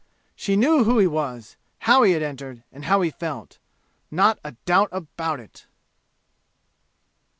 She knew who he was, how he had entered, and how he felt. Not a doubt of it!